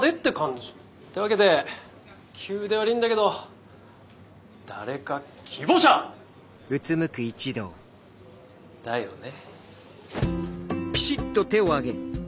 ってわけで急で悪いんだけど誰か希望者！だよね。